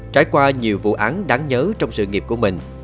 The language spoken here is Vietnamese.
trải qua nhiều vụ án đáng nhớ trong sự nghiệp của mình